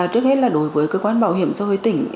trước hết là đối với cơ quan bảo hiểm xã hội tỉnh